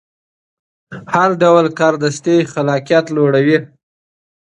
هر ډول کاردستي خلاقیت لوړوي.